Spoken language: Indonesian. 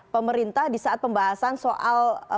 pemerintah di saat pembahasan soal